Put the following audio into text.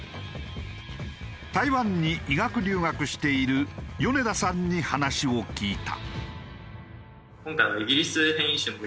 台湾に医学留学している米田さんに話を聞いた。